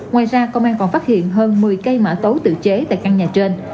ngoài ra công an còn phát hiện hơn một mươi cây mở tố tự chế tại căn nhà trên